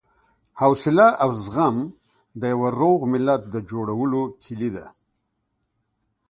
حوصله او زغم د یوه روغ ملت د جوړولو کیلي ده.